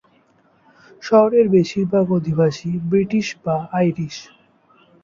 শহরের বেশির ভাগ অধিবাসী ব্রিটিশ বা আইরিশ।